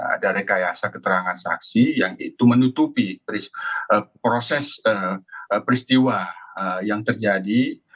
ada rekayasa keterangan saksi yang itu menutupi proses peristiwa yang terjadi